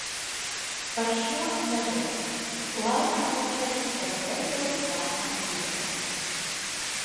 Par šo nedēļu. Laikam var teikt, ka beidzot sākam pierast.